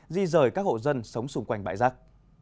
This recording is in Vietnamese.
di rời các hộ dân sống xung quanh bãi rác